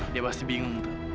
dia pasti bingung tuh